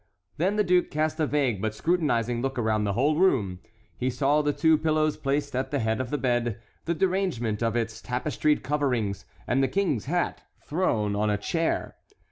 Then the duke cast a vague but scrutinizing look around the whole room: he saw the two pillows placed at the head of the bed, the derangement of its tapestried coverings, and the king's hat thrown on a chair.